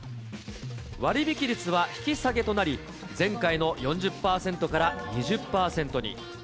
割引率は引き下げとなり、前回の４０％から２０％に。